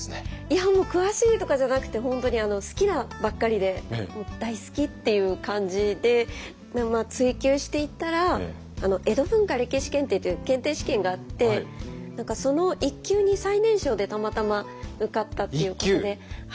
いや詳しいとかじゃなくて本当に好きなばっかりで大好きっていう感じで追求していったら江戸文化歴史検定という検定試験があって何かその１級に最年少でたまたま受かったっていうことで。